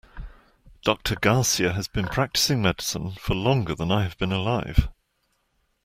Doctor Garcia has been practicing medicine for longer than I have been alive.